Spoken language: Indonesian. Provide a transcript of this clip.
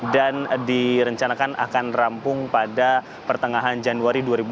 dan direncanakan akan rampung pada pertengahan januari dua ribu dua puluh